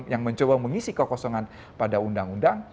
yang mencoba mengisi kekosongan pada undang undang